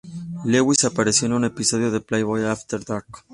Lewis apareció en un episodio de "Playboy After Dark".